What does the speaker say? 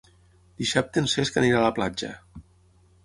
Dissabte en Cesc anirà a la platja.